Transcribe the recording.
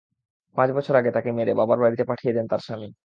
পাঁচ বছর আগে তাঁকে মেরে বাবার বাড়িতে পাঠিয়ে দেন তাঁর স্বামী।